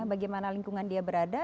bagaimana lingkungan dia berada